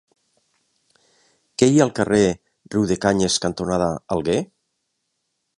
Què hi ha al carrer Riudecanyes cantonada Alguer?